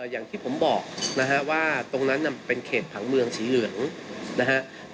อย่างที่ผมบอกนะฮะว่าตรงนั้นเป็นเขตผังเมืองสีเหลืองนะฮะ